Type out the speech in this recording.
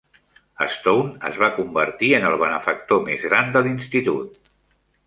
Stone es va convertir en el benefactor més gran de l'Institut.